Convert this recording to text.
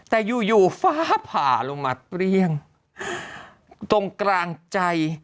แต่อยู่อยู่ฟ้าผ่าลงมาเปรี้ยงตรงกลางใจ